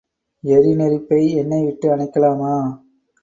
எரிநெருப்பை எண்ணெய் விட்டு அணைக்கலாமா?